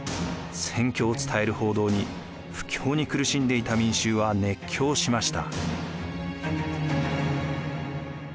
戦況を伝える報道に不況に苦しんでいた民衆は熱狂しました。